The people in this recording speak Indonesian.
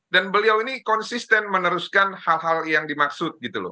dan beliau ini konsisten meneruskan hal hal yang dimaksud